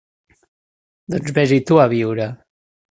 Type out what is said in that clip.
Doncs ves-hi tu a viure.